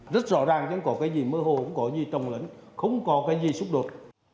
rất rõ ràng chẳng có cái gì mơ hồ không có cái gì trồng lấn không có cái gì xúc đột